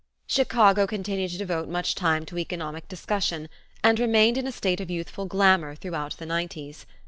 Chicago continued to devote much time to economic discussion and remained in a state of youthful glamour throughout the nineties.